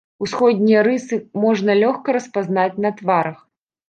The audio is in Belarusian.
Усходнія рысы можна лёгка распазнаць на тварах.